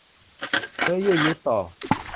เนื้อเยื่อยึดต่อ